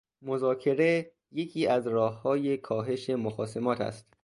مذاکره یکی از راههای کاهش مخاصمات است